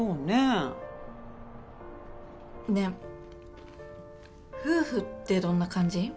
ねえ夫婦ってどんな感じ？